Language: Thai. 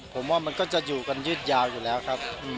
ผมว่ามันก็จะอยู่กันยืดยาวอยู่แล้วครับ